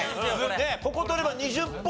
ここ取れば２０ポイント入ります。